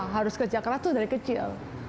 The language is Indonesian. harus kerja keras itu dari kecil